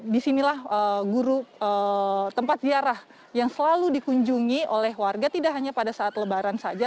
disinilah guru tempat ziarah yang selalu dikunjungi oleh warga tidak hanya pada saat lebaran saja